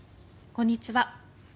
こんにちは。